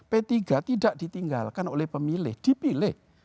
p tiga tidak ditinggalkan oleh pemilih dipilih